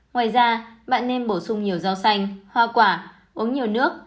ngoài ra bạn nên bổ sung nhiều rau xanh hoa quả uống nhiều nước